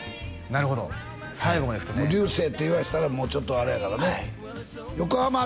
なるほど最後までいくとね「流星」って言わしたらもうちょっとあれやからね「横浜」